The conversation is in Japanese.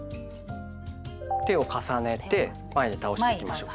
手を重ねて前に倒していきましょう。